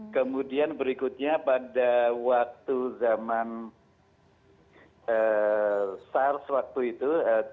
kemudian berikutnya pada waktu zaman sars waktu itu